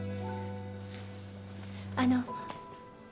あの。